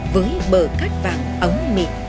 với bờ cát vãng ấm mịn